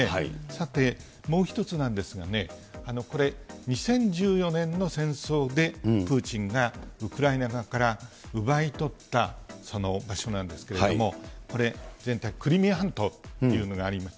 さて、もう１つなんですがね、これ、２０１４年の戦争でプーチンがウクライナ側から奪い取ったその場所なんですけれども、これ、クリミア半島というのがあります。